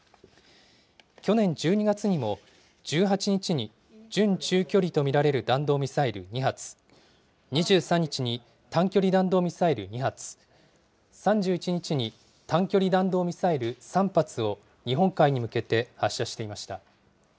去年１２月にも１８日に準中距離と見られる弾道ミサイル２発、２３日に短距離弾道ミサイル２発、３１日に短距離弾道ミサイル３発を、日本海に向けて発射していました。